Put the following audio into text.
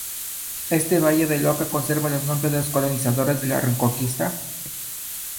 Este valle del Oca conserva los nombres de los colonizadores de la Reconquista.